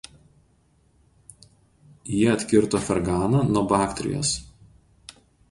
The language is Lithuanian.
Jie atkirto Ferganą nuo Baktrijos.